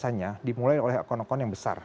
biasanya dimulai oleh akun akun yang besar